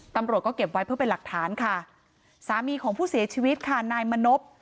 ตำรวจก็เก็บไว้เพื่อเป็นหลักฐานค่ะสามีของผู้เสียชีวิตค่ะนายมณพ